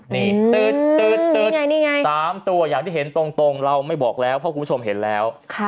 นี่ตืด๓ตัวอย่างที่เห็นตรงเราไม่บอกแล้วเพราะคุณผู้ชมเห็นแล้ว